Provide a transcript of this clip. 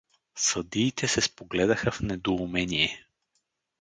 Съдиите се спогледаха в недоумение.